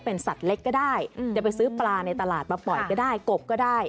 เป็นสัตว์เล็กก็ได้จะไปซื้อปลาในตลาดมาปล่อยก็ได้กบก็ได้